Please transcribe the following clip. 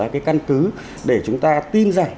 cái căn cứ để chúng ta tin giải